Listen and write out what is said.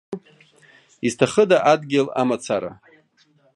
Изҭахыда адгьыл амацара?